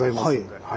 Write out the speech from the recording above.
はい。